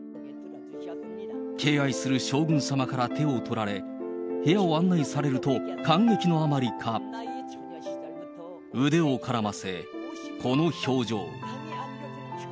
敬愛する将軍様から手を取られ、部屋を案内されると、感激のあまりか、腕を絡ませ、この表情。